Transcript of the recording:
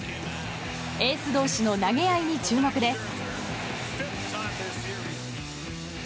エース同士の投げ合いに注目です。